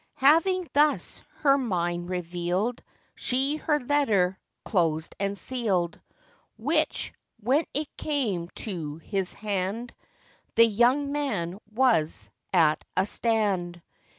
Having thus her mind revealed, She her letter closed and sealed; Which, when it came to his hand, The young man was at a stand.